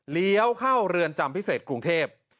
เลี้ยวเข้าเรือนจำพิเศษกรุงเทพ